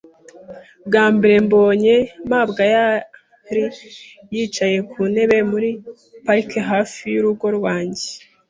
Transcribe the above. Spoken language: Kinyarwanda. Bwa mbere mbonye mabwa, yari yicaye ku ntebe muri parike hafi y'urugo rwanjye.